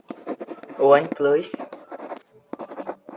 OnePlus